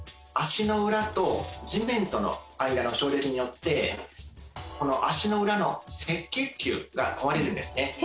足の裏と地面との間の衝撃によって足の裏の赤血球が壊れるんですね。